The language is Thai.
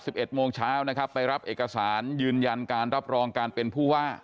สิบเอ็ดโมงเช้านะครับไปรับเอกสารยืนยันการรับรองการเป็นผู้ว่า